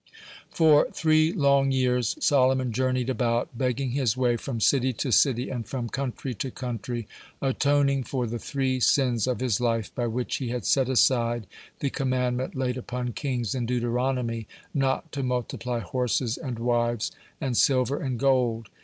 For three long years Solomon journeyed about, begging his way from city to city, and from country to country, atoning for the three (88) sins of his life by which he had set aside the commandment laid upon kings in Deuteronomy not to multiply horses, and wives, and silver and gold.